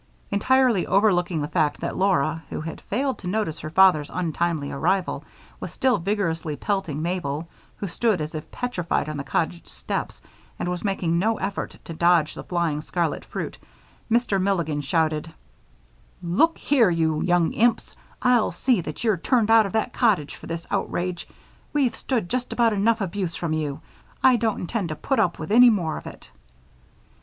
Entirely overlooking the fact that Laura, who had failed to notice her father's untimely arrival, was still vigorously pelting Mabel, who stood as if petrified on the cottage steps and was making no effort to dodge the flying scarlet fruit, Mr. Milligan shouted: "Look here, you young imps, I'll see that you're turned out of that cottage for this outrage. We've stood just about enough abuse from you. I don't intend to put up with any more of it."